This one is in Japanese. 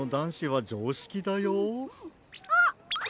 あっ！